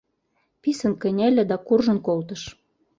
Писын кынеле да куржын колтыш.